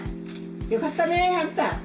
よかったね、あんた。